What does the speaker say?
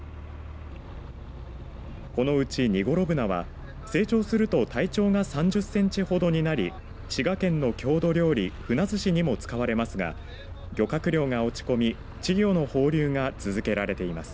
このうちニゴロブナは成長すると体長が３０センチほどになり滋賀県の郷土料理ふなずしにも使われますが漁獲量が落ち込み稚魚の放流が続けられています。